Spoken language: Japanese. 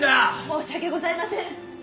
申し訳ございません！